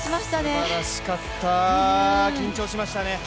すばらしかった、緊張しましたね。